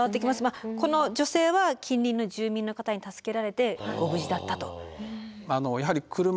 この女性は近隣の住民の方に助けられてご無事だったと。